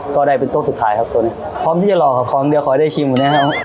ก็ได้เป็นโต๊ะสุดท้ายครับตอนนี้พร้อมที่จะหล่อครับของเดียวขอให้ได้ชิมนะครับ